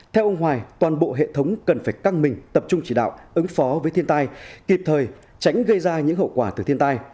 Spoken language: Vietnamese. theo ông hoài toàn bộ hệ thống cần phải căng mình tập trung chỉ đạo ứng phó với thiên tai kịp thời tránh gây ra những hậu quả từ thiên tai